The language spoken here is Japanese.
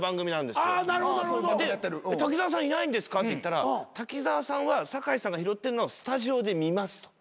で「滝沢さんいないんですか？」って言ったら滝沢さんは酒井さんが拾ってるのをスタジオで見ますと。